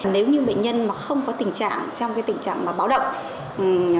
nếu như bệnh nhân không có tình trạng trong tình trạng báo động